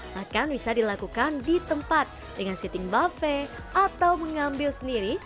makan bisa dilakukan di tempat dengan seating buffety atau mengambil sendiri